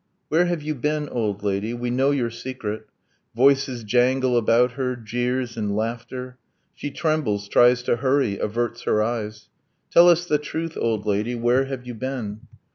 Where have you been, old lady? We know your secret! Voices jangle about her, jeers, and laughter. ... She trembles, tries to hurry, averts her eyes. Tell us the truth, old lady! where have you been?